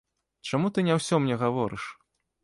Чаму ты не ўсё мне гаворыш?